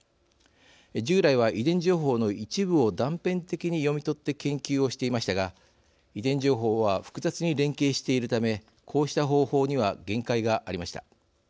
従来は、遺伝情報の一部を断片的に読み取って研究をしていましたが遺伝情報は複雑に連携しているためこうした方法には限界がありました。